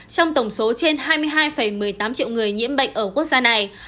trong tổng số trên hai mươi hai một mươi tám triệu người nhiễm bệnh ở quốc gia này